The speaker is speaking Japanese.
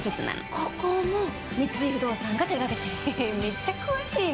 ここも三井不動産が手掛けてるのめっちゃ詳しいね！